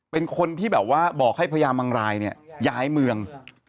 เป็นคนที่บอกให้พระยามังรายย้ายเมือง